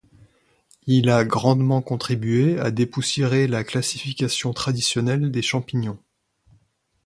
Il a grandement contribué à dépoussiérer la classification traditionnelle des champignons.